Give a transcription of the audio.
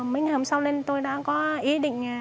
mình hôm sau nên tôi đã có ý định